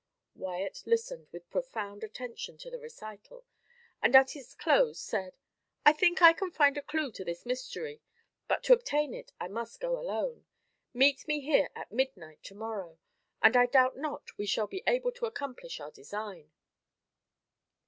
Wyat listened with profound attention to the recital, and at its close, said, "I think I can find a clue to this mystery, but to obtain it I must go alone. Meet me here at midnight to morrow, and I doubt not we shall be able to accomplish our design."